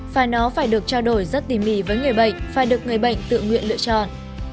phải nó phải được trao đổi rất tìm mì với người bệnh phải được người bệnh tự nguyện lựa chọn